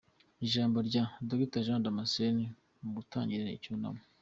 Ijambo rya Dr Jean Damascene mu gutangiza icyunamo